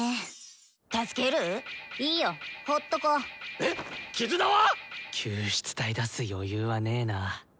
えっ⁉絆は⁉救出隊出す余裕はねぇな。